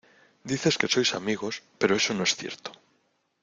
dices que sois amigos, pero eso no es cierto.